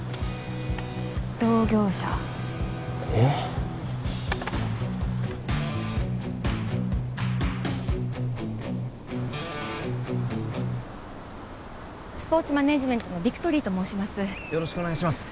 同業者えっスポーツマネージメントのビクトリーと申します